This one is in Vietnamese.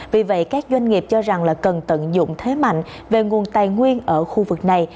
vì vậy các doanh nghiệp cho rằng cần tận dụng thế mạnh về nguồn tài nguyên ở khu vực này